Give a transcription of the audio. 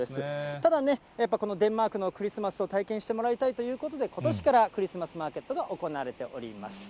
ただね、やっぱこのデンマークのクリスマスを体験してもらいたいということで、ことしからクリスマスマーケットが行われております。